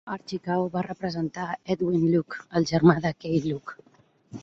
Archie Kao va representar a Edwin Luke, el germà de Keye Luke.